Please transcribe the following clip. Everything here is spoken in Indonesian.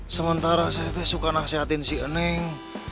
sementara saya suka nasihatin si neng